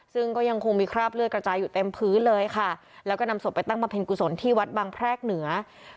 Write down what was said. ซึ่งก็ยังคงมีคราบเลือดกระจายอยู่เต็มพื้นเลยค่ะแล้วก็นำศพไปตั้งบำเพ็ญกุศลที่วัดบางแพรกเหนือ